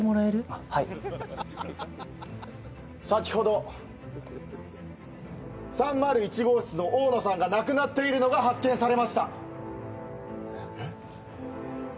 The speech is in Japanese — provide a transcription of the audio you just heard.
あっはい先ほど３０１号室のオオノさんが亡くなっているのが発見されましたえっ？